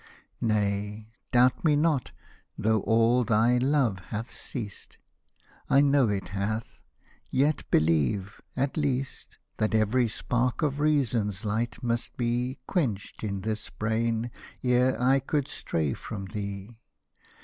Nay, doubt me not — though all thy love hath ceased — I know it hath — yet, yet believe, at least, That every spark of reason's light must be Quenched in this brain, ere I could stray from thee.